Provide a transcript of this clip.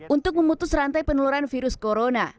untuk memutus rantai penularan virus corona